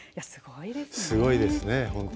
すごいですね、本当。